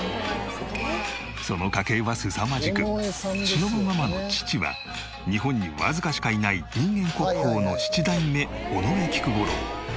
その家系はすさまじくしのぶママの父は日本にわずかしかいない人間国宝の七代目尾上菊五郎。